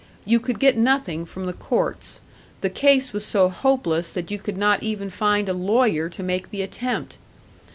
You could get nothing from the courts; the case was so hopeless that you could not even find a lawyer to make the attempt.